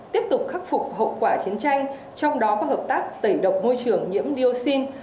tiếp tục khắc phục hậu quả chiến tranh trong đó có hợp tác tẩy độc môi trường nhiễm dioxin